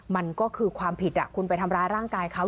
มันก็คือความผิดคุณไปทำร้ายร่างกายเขา